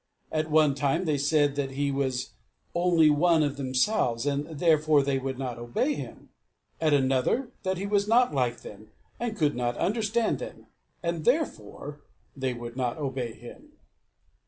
At one time they said that he was only one of themselves, and therefore they would not obey him; at another, that he was not like them, and could not understand them, and therefore they would not obey him.